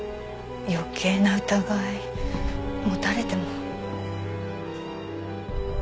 余計な疑い持たれても。